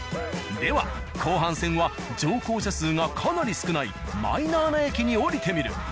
では後半戦は乗降者数がかなり少ないマイナーな駅に降りてみる。